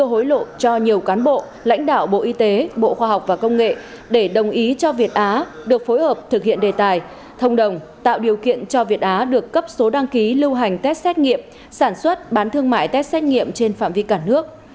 hội đồng xét xử đã tập trung thẩm vẫn làm rõ những sai phạm trong việc tạo điều kiện để công ty việt á được cấp số đăng ký lưu hành test xét nghiệm sản xuất bán thương mại test xét nghiệm trên phạm vi cả nước